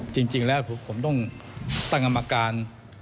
จริงแล้วผมต้องตั้งกรรมการ